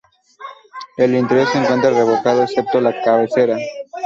El interior se encuentra revocado, excepto la cabecera.